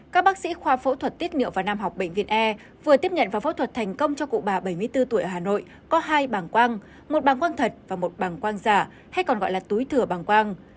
các bác sĩ khoa phẫu thuật tiết niệm và nam học bệnh viện e vừa tiếp nhận vào phẫu thuật thành công cho cụ bà bảy mươi bốn tuổi ở hà nội có hai bảng quang một bảng quang thật và một bảng quang giả hay còn gọi là túi thửa bảng quang